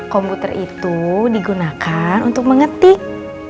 komputer itu digunakan untuk mengetik